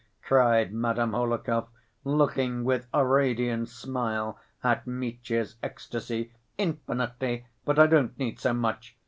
cried Madame Hohlakov, looking with a radiant smile at Mitya's ecstasy. "Infinitely? But I don't need so much.